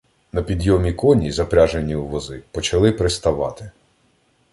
На підйомі коні, запряжені у вози, почали приставати.